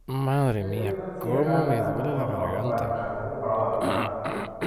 ในโซเวียตรัสเซีย : การเลือกตั้งของชนเผ่า กับ ปัญหาของประวัติศาสตร์